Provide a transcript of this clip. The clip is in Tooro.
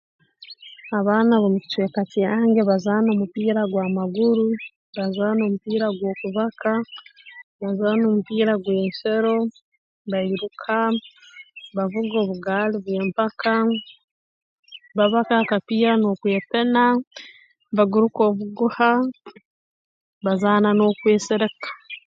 Abaana ab'omu kicweka kyange bazaana omupiira gw'amaguru bazaana omupiira gw'okubaka bazaana omupiira gw'ensero bairuka bavuga obugaali bw'empaka babaka akapiira n'okwepena baguruka obuguha bazaana n'okwesereka